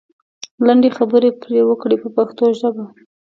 لنډې خبرې پرې وکړئ په پښتو ژبه.